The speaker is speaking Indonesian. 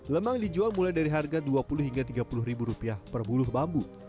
lemang dijual mulai dari harga dua puluh hingga tiga puluh ribu rupiah per bulu bambu